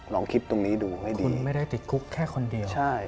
ลองคิดตรงนี้ดูให้ดีคุณไม่ได้ติดคุกแค่คนเดียวใช่